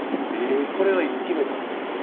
えこれはいつ決めたんですか？